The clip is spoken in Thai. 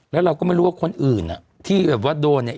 แล้วเราก็ไม่รู้ว่าคนอื่นอ่ะที่แบบว่าโดนเนี่ย